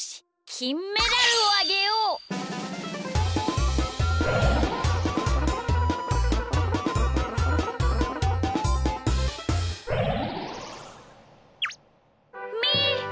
きんメダルをあげよう！みー！